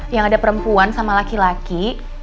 yang ada perempuan sama laki laki